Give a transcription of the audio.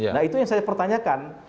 nah itu yang saya pertanyakan